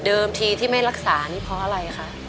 ทีที่ไม่รักษานี่เพราะอะไรคะ